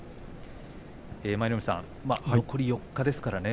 舞の海さん、残り４日ですからね